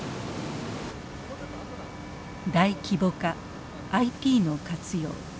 大規模化ＩＴの活用。